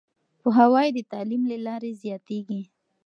پوهاوی د تعليم له لارې زياتېږي.